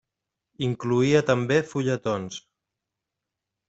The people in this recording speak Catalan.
Incloïa també fulletons.